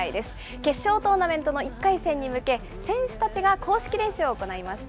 決勝トーナメントの１回戦に向け、選手たちが公式練習を行いました。